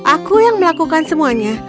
aku yang melakukan semuanya